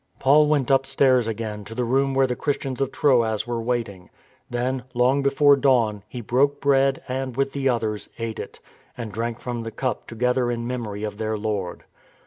Paul went upstairs again to the room where the Christians of Troas were waiting. Then, long before dawn, he broke bread and, with the others, ate it, and drank from the cup together in memory of their Lord.